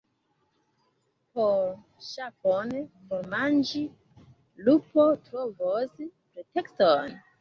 Por ŝafon formanĝi, lupo trovos pretekston.